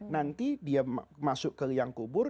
nanti dia masuk ke liang kubur